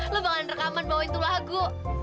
lo bangun rekaman bawah itu lagu